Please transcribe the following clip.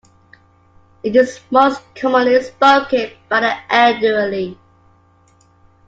It is most commonly spoken by the elderly.